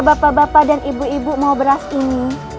sampai jumpa di video selanjutnya